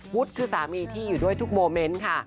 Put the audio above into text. วุฒิคือสามีที่อยู่ด้วยทุกโมเมนต์ค่ะ